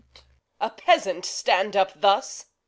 A peasant stand up thus?